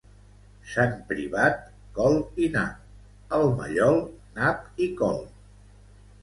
Sant Privat, col i nap El Mallol, nap i col